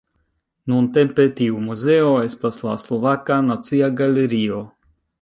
Nuntempe tiu muzeo estas la Slovaka Nacia Galerio.